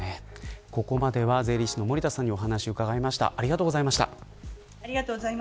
ここまでは税理士の森田さんにお話を伺いました。